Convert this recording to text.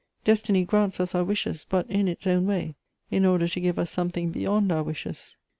Destiny grants us our wishes, but in its own way, in order to give us something beyond our wishes.